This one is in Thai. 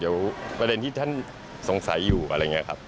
เดี๋ยวประเด็นที่ท่านสงสัยอยู่อะไรอย่างนี้ครับ